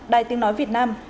đài tiếng nói việt nam